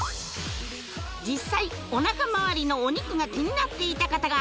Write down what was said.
実際お腹まわりのお肉が気になっていた方が